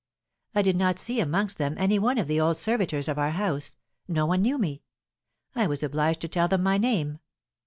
I did not see amongst them any one of the old servitors of our house; no one knew me. I was obliged to tell them my name.